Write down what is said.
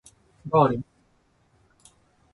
ダーリン